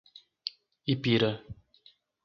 Ipira